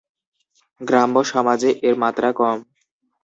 গ্রাম্য সমাজে এর মাত্রা কম।